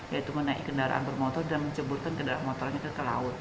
yaitu menaiki kendaraan bermotor dan menceburkan kendaraan motornya ke laut